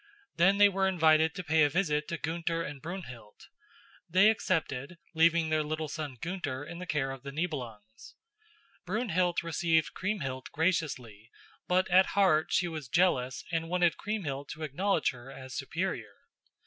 Then they were invited to pay a visit to Gunther and Brunhild. They accepted, leaving their little son Gunther in the care of the Nibelungs. Brunhild received Kriemhild graciously, but at heart she was jealous and wanted Kriemhild to acknowledge her as superior.